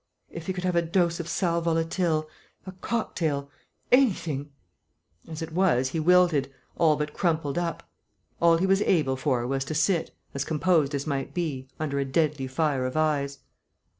If he could have a dose of sal volatile a cocktail anything ... as it was, he wilted, all but crumpled up; all he was able for was to sit, as composed as might be, under a deadly fire of eyes.